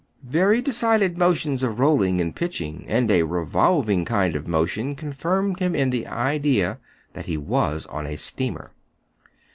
Very decided motions of rolling and pitching, and a revolving kind of motion, confirmed him in the idea that he was on a steamer.